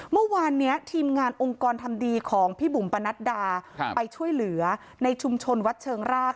เมื่อวานเนี้ยทีมงานองค์กรทำดีของพี่บุ๋มปนัดดาไปช่วยเหลือในชุมชนวัดเชิงราก